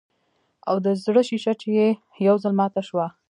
او د زړۀ شيشه چې ئې يو ځل ماته شوه